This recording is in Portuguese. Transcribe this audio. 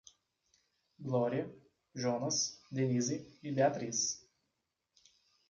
Glória, Jonas, Denise e Beatriz